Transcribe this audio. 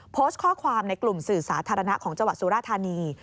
โพสต์ข้อความในกลุ่มสื่อสาธารณะของจังหวัดสุราธานี